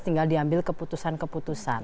tinggal diambil keputusan keputusan